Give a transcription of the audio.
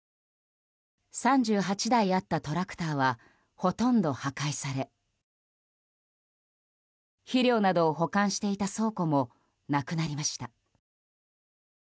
３８台あったトラクターはほとんど破壊され肥料などを保管していた倉庫もなくなりました。